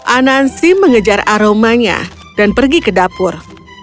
anansi mengejar aromanya dan pergi ke dapur